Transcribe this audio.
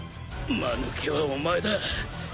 マヌケはお前だ。